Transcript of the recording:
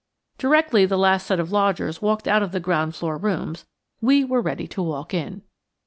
Directly the last set of lodgers walked out of the ground floor rooms, we were ready to walk in.